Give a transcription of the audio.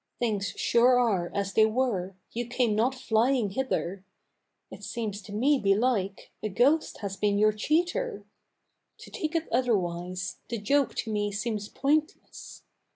Things sure are as they were! You came not flying hither! It seems to me, belike, a ghost has been your cheater. To take it otherwise, the joke to me seems pointless.